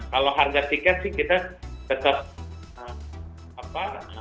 kalau harga tiket sih kita tetap apa